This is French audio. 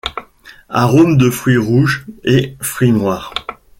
Arômes de fruits rouges et fruits noirs.